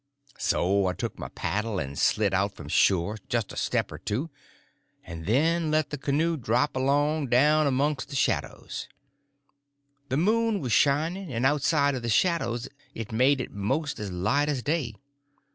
So I took my paddle and slid out from shore just a step or two, and then let the canoe drop along down amongst the shadows. The moon was shining, and outside of the shadows it made it most as light as day.